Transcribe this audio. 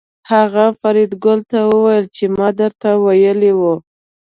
هغه فریدګل ته وویل چې ما درته ویلي وو